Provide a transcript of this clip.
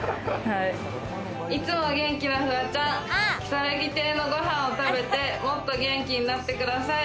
いつも元気なフワちゃん、きさらぎ亭のご飯を食べて、もっと元気になってください。